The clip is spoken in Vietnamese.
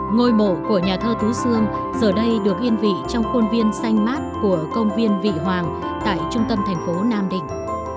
ngôi mộ của nhà thơ tú sương giờ đây được yên vị trong khuôn viên xanh mát của công viên vị hoàng tại trung tâm thành phố nam định